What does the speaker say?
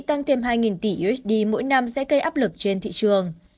tăng thêm hai tỷ usd mỗi năm sẽ gây áp lực trên thị trường